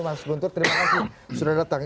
mas guntur terima kasih sudah datang